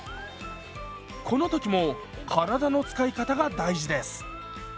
この時も体の使い方が大事です。